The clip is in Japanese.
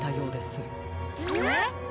えっ！？